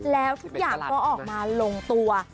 แล้วทุกอย่างก็ออกมาลงตัว